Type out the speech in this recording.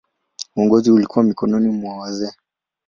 Uongozi ulikuwa mikononi mwa wazee.